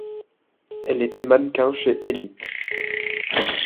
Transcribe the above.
Elle était mannequin chez Elite.